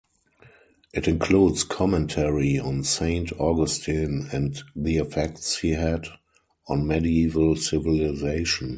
It includes commentary on Saint Augustine and the effects he had on medieval civilization.